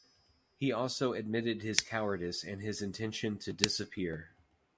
He also admitted his cowardice and his intention to "disappear".